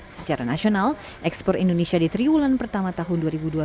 secara nasional ekspor indonesia di triwulan pertama tahun dua ribu dua puluh